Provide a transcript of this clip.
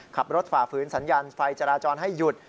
ฝ่าฝืนสัญญาณไฟจราจรให้หยุด